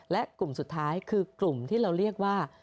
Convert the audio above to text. และกลุ่มสุดท้ายคือกลุ่มที่เราเรียกว่า